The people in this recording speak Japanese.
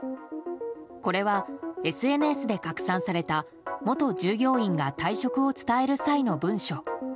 これはＳＮＳで拡散された元従業員が退職を伝える際の文書。